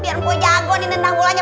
biar gue jago nih nendang gulanya